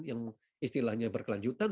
yang istilahnya berkelanjutan